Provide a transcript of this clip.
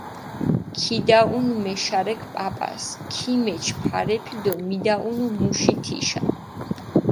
ქიდაჸუნჷ მეშარექ პაპას, ქიმეჩჷ ფარეფი დო მიდაჸუნუ მუში თიშა.